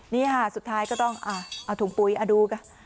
นี่ค่ะสุดท้ายก็ต้องเอาถุงปุ๋ยเอาดูกัน